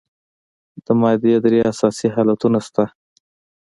د مادې درې اساسي حالتونه شته.